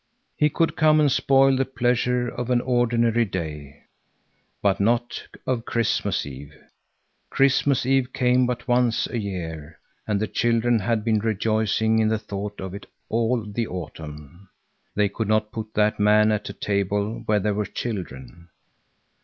He could come and spoil the pleasure of an ordinary day, but not of Christmas Eve. Christmas Eve came but once a year, and the children had been rejoicing in the thought of it all the autumn. They could not put that man at a table where there were children.